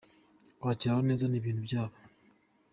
Kwakira abantu neza ni ibintu byabo,.